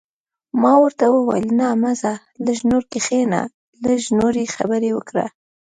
ما ورته وویل: نه، مه ځه، لږ نور کښېنه، لږ نورې خبرې وکړه.